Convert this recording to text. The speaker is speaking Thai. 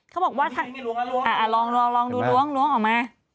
เขาบอกว่าถ้าอ่าลองลองดูล้วงออกมา